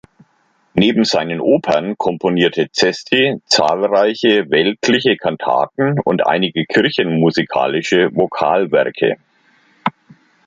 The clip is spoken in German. Neben seinen Opern komponierte Cesti zahlreiche weltliche Kantaten und einige kirchenmusikalische Vokalwerke.